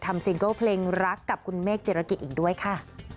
ซิงเกิลเพลงรักกับคุณเมฆเจรกิจอีกด้วยค่ะ